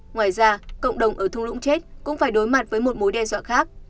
ngoài ra cộng đồng ở thung lũng chết cũng phải đối mặt với một mối đe dọa khác